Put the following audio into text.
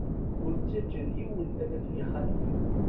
Ur ttaǧǧan yiwen ad ten-ixalef.